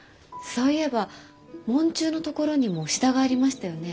そういえば門柱の所にもシダがありましたよね。